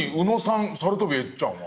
「さるとびエッちゃん」は？